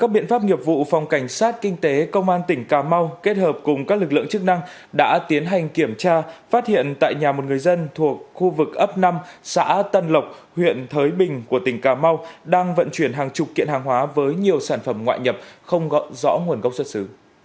biện pháp nghiệp vụ phòng cảnh sát kinh tế công an tỉnh cà mau kết hợp cùng các lực lượng chức năng đã tiến hành kiểm tra phát hiện tại nhà một người dân thuộc khu vực ấp năm xã tân lộc huyện thới bình của tỉnh cà mau đang vận chuyển hàng chục kiện hàng hóa với nhiều sản phẩm ngoại nhập không rõ nguồn gốc xuất xứ